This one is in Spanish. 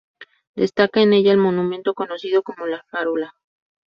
Destaca en ella el monumento conocido como "La Farola".